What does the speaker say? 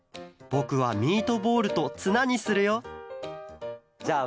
ぼくはミートボールとツナにするよじゃあ